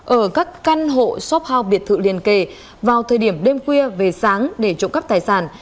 ở các căn hộ shop house biệt thự liền kề vào thời điểm đêm khuya về sáng để trộm cắp tài sản